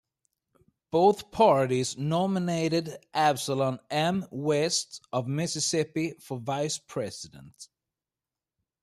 Both parties nominated Absolom M. West of Mississippi for Vice President.